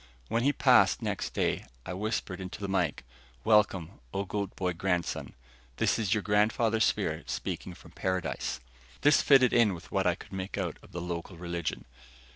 When he passed next day, I whispered into the mike: "Welcome, O Goat boy Grandson! This is your grandfather's spirit speaking from paradise." This fitted in with what I could make out of the local religion.